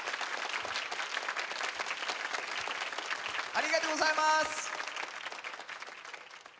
ありがとうございます。